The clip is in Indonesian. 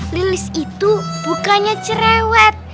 lilis itu bukannya cerewet